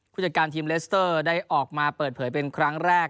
ผู้จัดการทีมเลสเตอร์ได้ออกมาเปิดเผยเป็นครั้งแรก